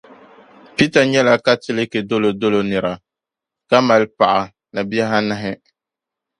Peter nyɛla Katiliki dolo dolo nira ka mali paɣa ni bihi anahi..